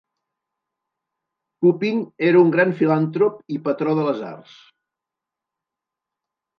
Pupin era un gran filantrop i patró de les arts.